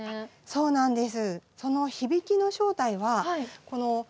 そうなんです。